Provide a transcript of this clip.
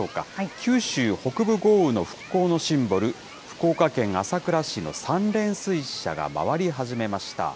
九州北部豪雨の復興のシンボル、福岡県朝倉市の三連水車が回り始めました。